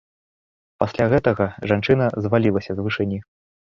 Пасля гэтага жанчына звалілася з вышыні.